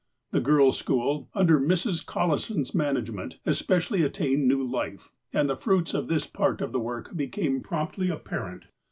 The girls' school, under Mrs. Collison's management, especially attained new life, and the fruits of this part of the work became promptly apparent.